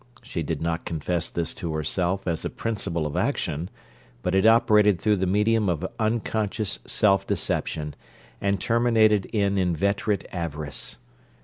She did not confess this to herself as a principle of action, but it operated through the medium of unconscious self deception, and terminated in inveterate avarice.